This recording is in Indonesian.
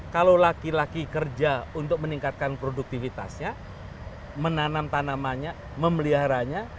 kalau laki laki kerja untuk meningkatkan produktivitasnya menanam tanamannya memeliharanya